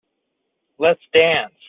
Let's dance.